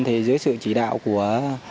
thì dưới sự chỉ đạo của